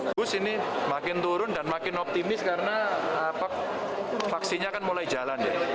bagus ini makin turun dan makin optimis karena vaksinnya kan mulai jalan ya